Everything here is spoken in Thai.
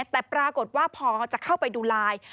แต่ปรากฏว่าพอจะเข้าไปดูไลน์